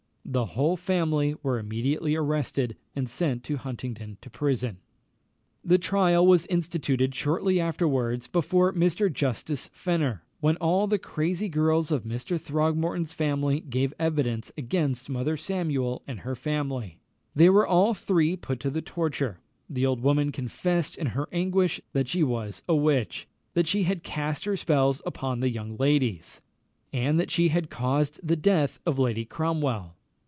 The whole family were immediately arrested, and sent to Huntingdon to prison. The trial was instituted shortly afterwards before Mr. Justice Fenner, when all the crazy girls of Mr. Throgmorton's family gave evidence against Mother Samuel and her family. They were all three put to the torture. The old woman confessed in her anguish that she was a witch; that she had cast her spells upon the young ladies; and that she had caused the death of Lady Cromwell.